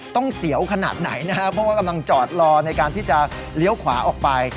เสียวขนาดไหนนะครับเพราะว่ากำลังจอดรอในการที่จะเลี้ยวขวาออกไป